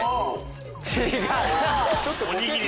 違う。